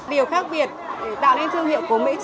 điều khác biệt để tạo nên chất lượng